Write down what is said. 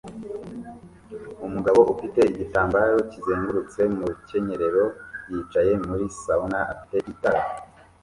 Umugabo ufite igitambaro kizengurutse mu rukenyerero yicaye muri sauna afite itara